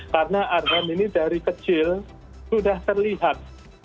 karena arhan ini dari kecil sudah terlihat